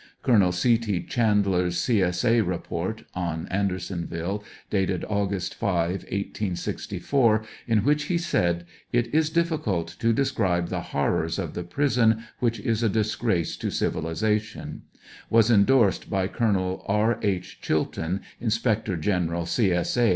Colonel C. T. Chandler's C. S. A. report on Andersonville, dated Aug. 5, 1864, in which he said: 'Tt is difficult to describe the horrors of the prison, which is a disgrace to civilization," was endorsed by Col. R. H, Chilton, Inspector General C. S. A.